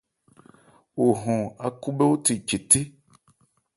O hɔn ákhúbhɛ́óthe che thé.